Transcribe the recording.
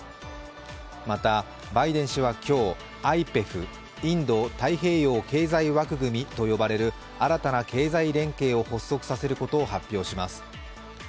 またバイデン氏は今日、ＩＰＥＦ＝インド太平洋経済枠組みと呼ばれる新たな経済連携を発足させることを発表します。